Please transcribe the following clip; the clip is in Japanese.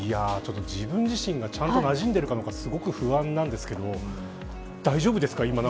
自分自身がちゃんとなじんでいるかどうかすごく不安なんですけど大丈夫ですか。